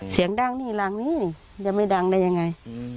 เสียงดังนี่รังนี่จะไม่ดังได้ยังไง